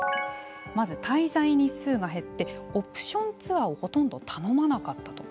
まず滞在日数が減ってオプションツアーをほとんど頼まなかったと。